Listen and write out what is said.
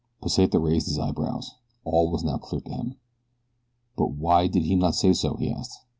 Pesita raised his eyebrows. All was now clear to him. "But why did he not say so?" he asked.